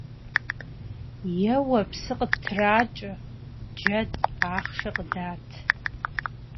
Еуэ псы къыттракӏэ, джэд, ахъшэ къыдат.